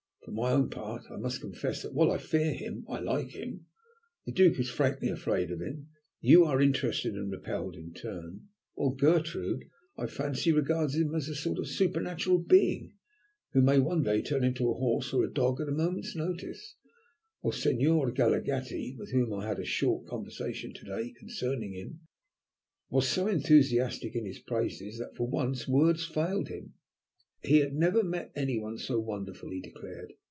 For my own part I must confess that, while I fear him, I like him; the Duke is frankly afraid of him; you are interested and repelled in turn; while Gertrude, I fancy, regards him as a sort of supernatural being, who may turn one into a horse or a dog at a moment's notice, while Senor Galaghetti, with whom I had a short conversation to day concerning him, was so enthusiastic in his praises that for once words failed him. He had never met any one so wonderful, he declared.